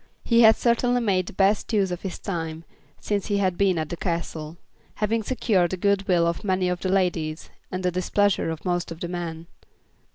He had certainly made the best use of his time since he had been at the Castle, having secured the good will of many of the ladies, and the displeasure of most of the men.